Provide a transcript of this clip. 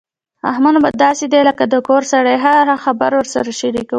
احمد مو داسې دی لکه د کور سړی هره خبره ورسره شریکوو.